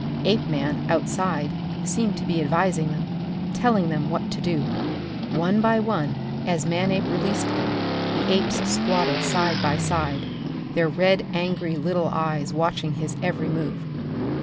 Apeman, outside, seemed to be advising them, telling them what to do. One by one as Manape released them, the apes squatted side by side, their red angry little eyes watching his every move.